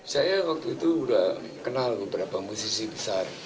saya waktu itu sudah kenal beberapa musisi besar